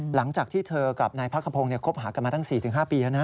หลังจากที่เธอกับนายพักขพงศ์คบหากันมาตั้ง๔๕ปีแล้วนะ